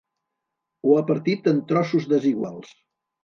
Ho ha partit en trossos desiguals.